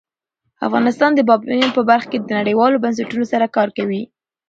افغانستان د بامیان په برخه کې له نړیوالو بنسټونو سره کار کوي.